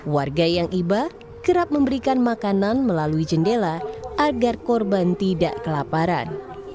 warga yang iba kerap memberikan makanan melalui jendela agar korban tidak kelaparan